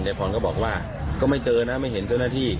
พรก็บอกว่าก็ไม่เจอนะไม่เห็นเจ้าหน้าที่